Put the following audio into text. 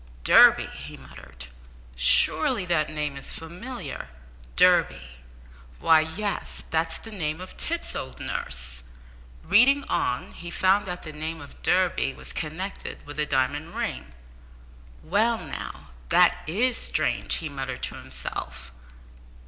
"Durby!" he muttered. "Surely that name is familiar? Durby! why, yes that's the name of Tipps's old nurse." Reading on, he found that the name of Durby was connected with a diamond ring. "Well, now, that is strange!" he muttered to himself.